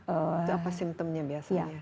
itu apa simptomnya biasanya